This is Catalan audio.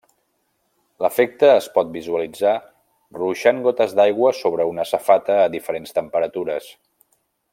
L'efecte es pot visualitzar ruixant gotes d'aigua sobre una safata a diferents temperatures.